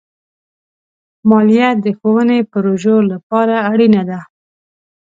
مالیه د ښوونې پروژو لپاره اړینه ده.